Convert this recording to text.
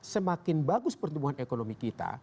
semakin bagus pertumbuhan ekonomi kita